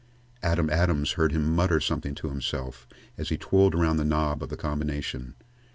Adam Adams heard him mutter something to himself as he twirled around the knob of the combination.